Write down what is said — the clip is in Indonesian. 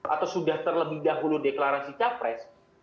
atau sudah terlebih dahulu deklarasi capres